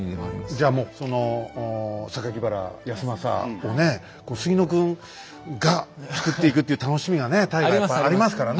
じゃあもうその原康政をね杉野君がつくっていくっていう楽しみが大河はありますからね。